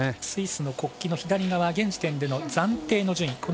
スイスの国旗の左側現時点での暫定の順位。